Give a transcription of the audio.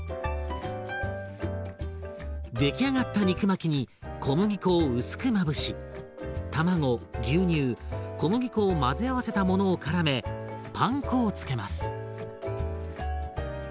出来上がった肉巻きに小麦粉を薄くまぶし卵牛乳小麦粉を混ぜ合わせたものをからめパン粉を付けます。